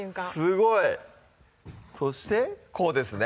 すごいそしてこうですね